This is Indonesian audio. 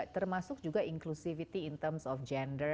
termasuk juga inklusivitas dalam hal gender